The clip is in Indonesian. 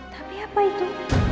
tapi apa itu